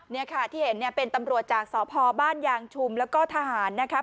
นี่ค่ะที่เห็นเนี่ยเป็นตำรวจจากสพบ้านยางชุมแล้วก็ทหารนะครับ